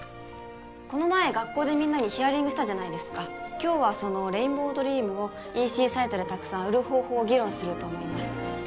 この前学校でみんなにヒアリングしたじゃないですか今日はそのレインボードリームをＥＣサイトでたくさん売る方法を議論すると思います